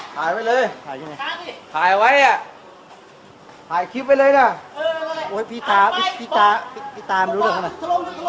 ถ่ายไว้เลยถ่ายไว้อ่ะถ่ายคลิปไว้เลยน่ะโอ้ยพี่ตาพี่ตาพี่ตาพี่ตามรู้หรือเปล่าไหม